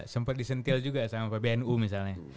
sempet disentil juga sama pbnu misalnya